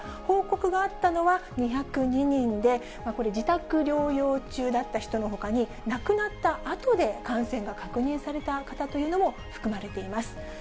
報告があったのは２０２人で、これ、自宅療養中だった人のほかに、亡くなったあとで感染が確認された方というのも含まれています。